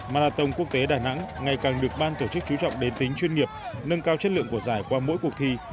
marathon quốc tế đà nẵng ngày càng được ban tổ chức chú trọng đến tính chuyên nghiệp nâng cao chất lượng của giải qua mỗi cuộc thi